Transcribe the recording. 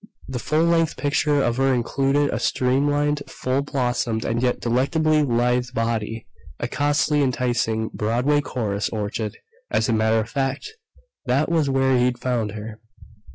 The full length picture of her included a streamlined, full blossomed and yet delectably lithe body. A costly, enticing, Broadway chorus orchid! As a matter of fact, that was where he'd found her.